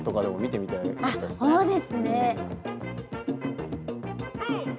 そうですね。